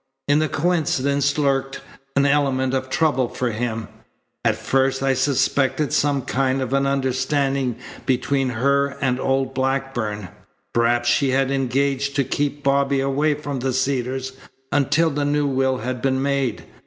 In the coincidence lurked an element of trouble for him. At first I suspected some kind of an understanding between her and old Blackburn perhaps she had engaged to keep Bobby away from the Cedars until the new will had been made.